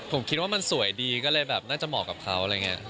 ผมคิดว่ามันสวยดีก็เลยแบบน่าจะเหมาะกับเขาอะไรอย่างนี้